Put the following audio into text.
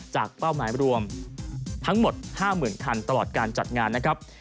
เป้าหมายรวมทั้งหมด๕๐๐๐คันตลอดการจัดงานนะครับ